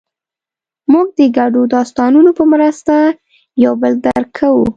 موږ د ګډو داستانونو په مرسته یو بل درک کوو.